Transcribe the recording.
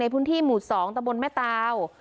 พื้นที่หมู่๒ตะบนแม่ตาว